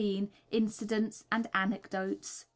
Incidents and Anecdotes.